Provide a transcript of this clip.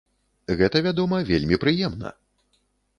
Гэта, вядома, вельмі прыемна!